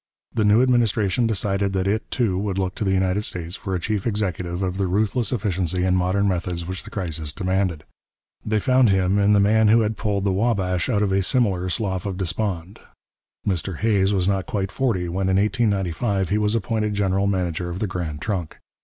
The new administration decided that it, too, would look to the United States for a chief executive of the ruthless efficiency and modern methods which the crisis demanded. They found him in the man who had pulled the Wabash out of a similar slough of despond. Mr Hays was not quite forty when, in 1895, he was appointed general manager of the Grand Trunk.